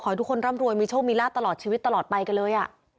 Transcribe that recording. ให้ทุกคนร่ำรวยมีโชคมีลาบตลอดชีวิตตลอดไปกันเลย